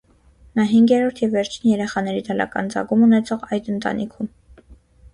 Նա հինգերորդ և վերջին երեխան էր իտալական ծագում ունեցող այդ ընտանիքում։